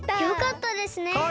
よかったですね！